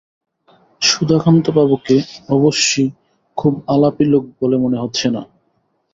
সুধাকান্তবাবুকে অবশ্যি খুব আলাপী লোক বলে মনে হচ্ছে না।